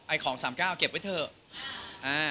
ไอของ๓๙เก็บไว้เถอะ